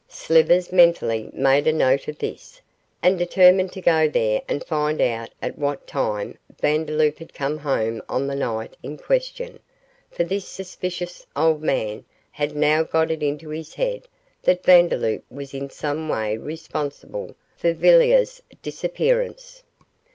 Slivers mentally made a note of this, and determined to go there and find out at what time Vandeloup had come home on the night in question, for this suspicious old man had now got it into his head that Vandeloup was in some way responsible for Villiers' disappearance.